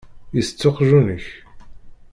Itett uqjun-ik?